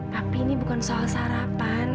tapi ini bukan soal sarapan